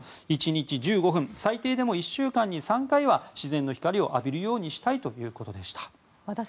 １日１５分最低でも１週間に３回は自然の光を浴びるようにしたいということでした。